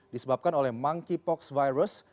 disebabkan oleh monkeypox virus